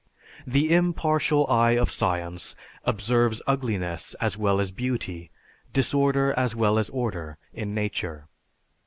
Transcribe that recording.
The impartial eye of science observes ugliness as well as beauty, disorder as well as order, in nature.